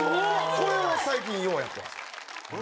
これは最近ようやってます。